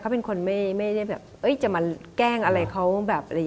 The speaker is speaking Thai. เขาเป็นคนไม่จะมาแกล้งเขาอะไรอย่างนี้